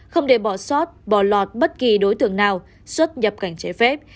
không để bỏ sót bỏ lọt bất kỳ đối tượng nào xuất nhập cảnh trái phép